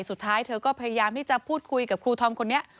สุดท้ายเธอก็พยายามที่จะพูดคุยกับครูธอมคนนี้